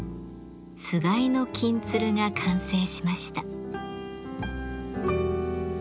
つがいの「金鶴」が完成しました。